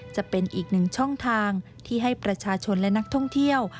จะเป็นอีกหนึ่งช่องทางที่ให้ประชาชนและนักท่องเที่ยว